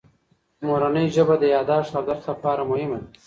مورنۍ ژبه د یادښت او درس لپاره مهمه ده.